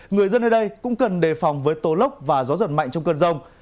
người dân ở đây cũng cần đề phòng với tố lốc và gió giật mạnh trong cơn rông